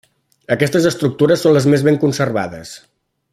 Aquestes estructures són les més ben conservades.